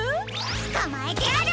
つかまえてやる！